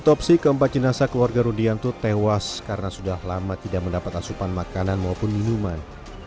otopsi keempat jenazah keluarga rudianto tewas karena sudah lama tidak mendapat asupan makanan maupun minuman